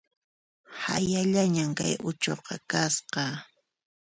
Hayallañan kay uchuqa kasqa